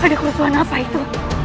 ada kerusuhan apa itu